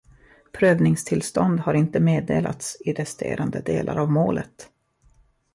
Prövningstillstånd har inte meddelats i resterande delar av målet.